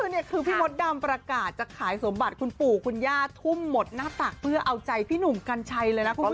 นี่คือพี่มดดำประกาศจะขายสมบัติคุณปู่คุณย่าทุ่มหมดหน้าตักเพื่อเอาใจพี่หนุ่มกัญชัยเลยนะคุณผู้ชม